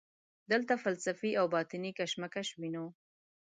دلته فلسفي او باطني کشمکش وینو.